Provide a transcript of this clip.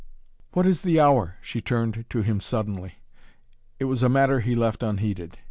"What is the hour?" she turned to him suddenly. It was a matter he left unheeded.